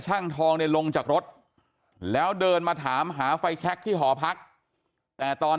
ช่างทองเนี่ยลงจากรถแล้วเดินมาถามหาไฟแชคที่หอพักแต่ตอน